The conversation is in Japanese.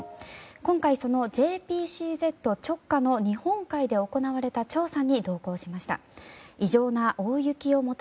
今回、そのＪＰＣＺ直下の日本海で行われた調査に同行しました。